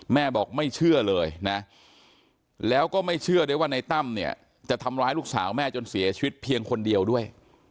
แม่บอกไม่เชื่อเลยนะแล้วก็ไม่เชื่อได้ว่าในตั้มเนี่ยจะทำร้ายลูกสาวแม่จนเสียชีวิตเพียงคนเดียวด้วย